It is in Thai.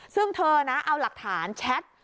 ซึ่งเธอนะเอาหลักฐานแชท